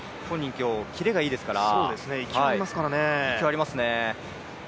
今日キレがいいですから。